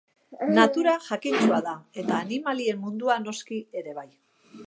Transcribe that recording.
Natura jakintsua da, eta animalien mundua, noski, ere bai.